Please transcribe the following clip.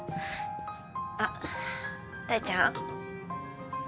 あっ大ちゃん？